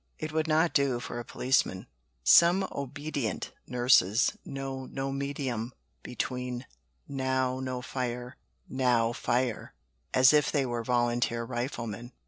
It would not do for a policeman." "Some 'obedient' nurses know no medium between 'Now no fire,' 'Now fire,' as if they were volunteer riflemen."